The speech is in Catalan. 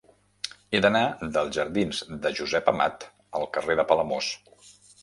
He d'anar dels jardins de Josep Amat al carrer de Palamós.